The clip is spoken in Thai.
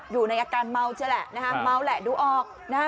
อยู่ในอาการเมาใช่แหละเมาแหละดูออก